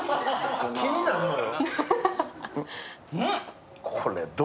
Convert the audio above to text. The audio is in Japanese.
気になるのよ。